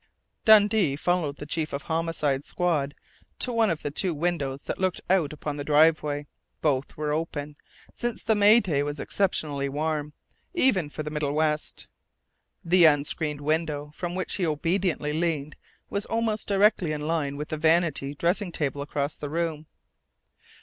Dundee followed the Chief of the Homicide Squad to one of the two windows that looked out upon the driveway. Both were open, since the May day was exceptionally warm, even for the Middle West. The unscreened window from which he obediently leaned was almost directly in line with the vanity dressing table across the room.